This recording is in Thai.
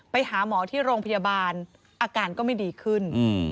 ไปหาหมอที่โรงพยาบาลอาการก็ไม่ดีขึ้น